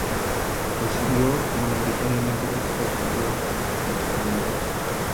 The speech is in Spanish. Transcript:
Recibió mayoritariamente críticas positivas por los críticos de la música.